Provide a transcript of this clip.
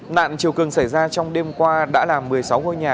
nạn chiều cường xảy ra trong đêm qua đã làm một mươi sáu ngôi nhà